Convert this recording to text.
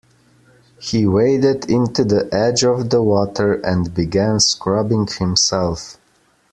He waded into the edge of the water and began scrubbing himself.